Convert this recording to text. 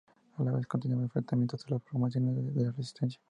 A la vez continuaba el enfrentamiento entre las formaciones de la resistencia.